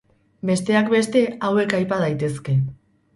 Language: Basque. Besteak beste, hauek aipa daitezke.